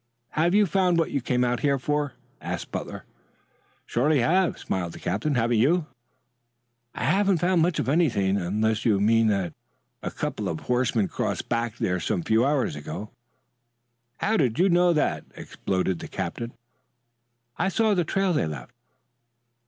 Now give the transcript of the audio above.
"Have you found what you came out here for?" asked Butler. "Surely I have," smiled the captain. "Haven't you?" "I haven't found much of anything unless you mean that a couple of horsemen crossed back there some few hours ago." "How'd you know that?" exploded the captain. "I saw the trail they left."